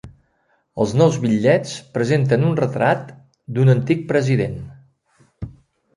Els nous bitllets presenten un retrat d'un antic president.